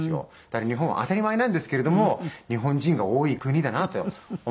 だから日本は当たり前なんですけれども日本人が多い国だなと思った事があります。